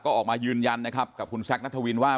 ก็ออกมายืนยันนะครับกับคุณแซคนัทวินว่า